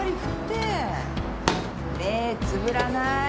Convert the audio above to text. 目つぶらない。